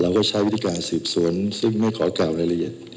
เราก็ใช้วิธิการสืบสวนซึ่งไม่ขอกราวในละเอียด